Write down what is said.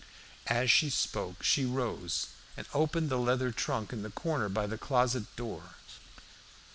As she spoke, she rose and opened the leather trunk in the corner by the closet door.